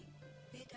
kumalah begitu baik